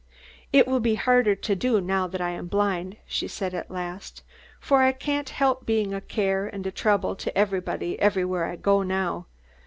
"It will be harder to do now that I am blind," she said, at the last, "for I can't help being a care and a trouble to everybody, everywhere I go now.